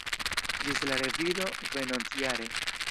Ĝis la revido venontjare!